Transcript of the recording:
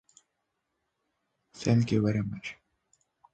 This example will attempt to imitate the sound of a plucked string.